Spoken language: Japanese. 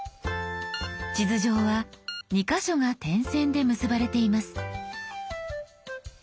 地図上は２か所が点線で結ばれています。